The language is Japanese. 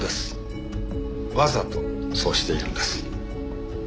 わざとそうしているんです。